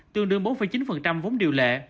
tương đương bốn chín phần trăm triệu